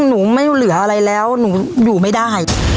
หนูไม่เหลืออะไรแล้วหนูอยู่ไม่ได้